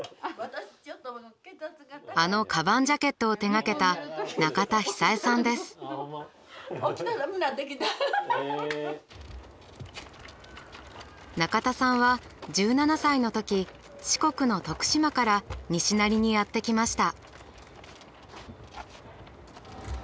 あのかばんジャケットを手がけた中田さんは１７歳のとき四国の徳島から西成にやって来ました。